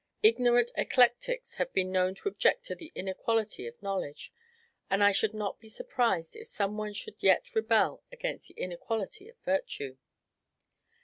Ignorant eclectics have been known to object to the inequality of knowledge, and I should not be surprised if some one should yet rebel against the inequality of virtue.